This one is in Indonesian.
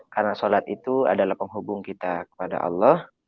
karena sholat itu adalah penghubung kita kepada allah